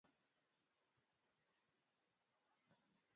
Mwanafunzi anafaa kusoma kwa bidii.